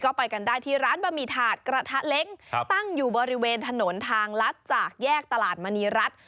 ก็ไปกันได้ที่ร้านบะหมี่ถาดกระทะเล้งตั้งอยู่บริเวณถนนทางลัดจากแยกตลาดมณีรัฐ